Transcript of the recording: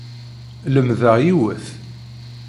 Lemdeɣ yiwet.